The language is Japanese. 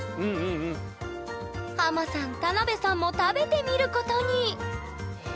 ハマさん田辺さんも食べてみることに！